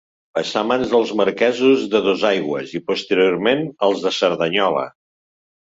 Passà a mans dels marquesos de Dosaigües i, posteriorment als de Cerdanyola.